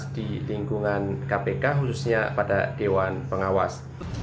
di lingkungan kpk khususnya pada dewan pengawas